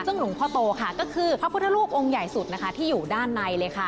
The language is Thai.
ซึ่งหลวงพ่อโตค่ะก็คือพระพุทธรูปองค์ใหญ่สุดนะคะที่อยู่ด้านในเลยค่ะ